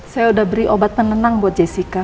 saya udah beri obat penenang buat jessica